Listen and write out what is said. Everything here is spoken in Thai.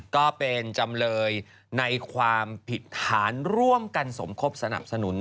ก็เป็นจำเลยในความผิดฐานร่วมกันสมคบสนับสนุน